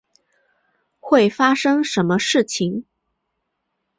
会发生什么事情？